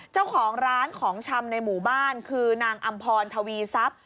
เจ้าของร้านของชำในหมู่บ้านคือนางอำพรทวีทรัพย์